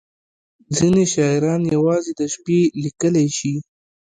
• ځینې شاعران یوازې د شپې لیکلی شي.